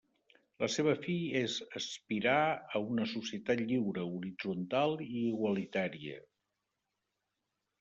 La seva fi és aspirar a una societat lliure, horitzontal i igualitària.